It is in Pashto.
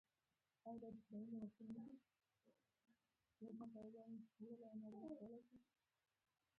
یا غیر دیني پوهه یې په ذهن کې تزریق شي.